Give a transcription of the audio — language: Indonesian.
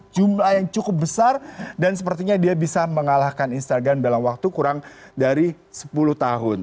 jumlah yang cukup besar dan sepertinya dia bisa mengalahkan instagram dalam waktu kurang dari sepuluh tahun